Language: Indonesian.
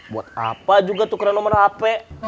buat apa juga tukeran nomer hp